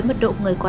rồi cảm ơn chú